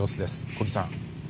小木さん。